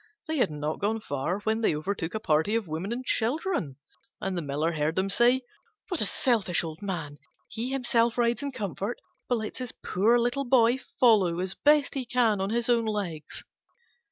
They had not gone far when they overtook a party of women and children, and the Miller heard them say, "What a selfish old man! He himself rides in comfort, but lets his poor little boy follow as best he can on his own legs!"